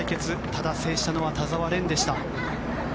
ただ、制したのは田澤廉でした。